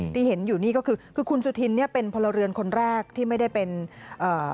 ที่เห็นอยู่นี่ก็คือคือคุณสุธินเนี้ยเป็นพลเรือนคนแรกที่ไม่ได้เป็นเอ่อ